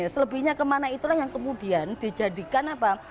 selebihnya kemana itulah yang kemudian dijadikan apa